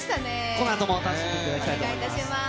このあとも楽しんでいただきお願いいたします。